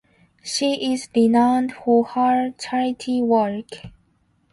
She is renowned for her charity work.